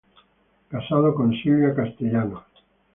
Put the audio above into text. Casado con Silvia Castellanos.